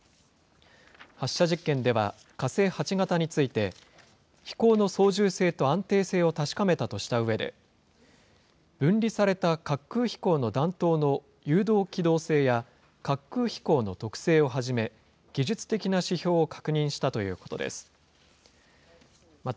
発射実験では、火星８型について、飛行の操縦性と安定性を確かめたとしたうえで、分離された滑空飛行の弾道の誘導機動性や、滑空飛行の特性をはじめ、技術的な指標を確認したということです。